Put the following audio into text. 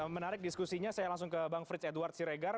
menarik diskusinya saya langsung ke bang frits edward siregar